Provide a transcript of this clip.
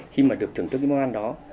khi mà được thưởng thức món ăn đó